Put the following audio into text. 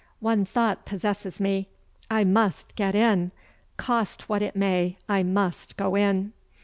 One thought possesses me: I must get in! Cost what it may, I must go in!